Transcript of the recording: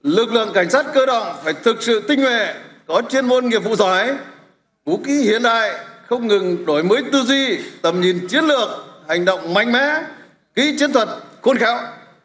lực lượng cảnh sát cơ động phải thực sự tinh nguệ có chuyên môn nghiệp vụ giỏi vũ ký hiện đại không ngừng đổi mới tư duy tầm nhìn chiến lược hành động mạnh mẽ ký chiến thuật khôn khảo